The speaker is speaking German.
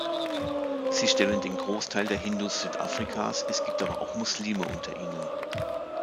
Sie stellen den Großteil der Hindus Südafrikas, es gibt aber auch Muslime unter ihnen.